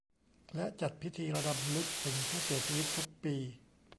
และจัดพิธีรำลึกถึงผู้เสียชีวิตทุกปี